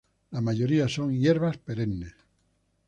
La mayoría son hierbas perennes.